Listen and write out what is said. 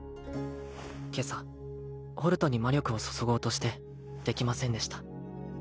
今朝ホルトに魔力を注ごうとしてできませんでした